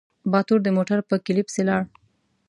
باتور د موټر په کيلي پسې لاړ.